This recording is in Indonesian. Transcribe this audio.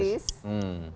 pesimis tidak bukan pesimis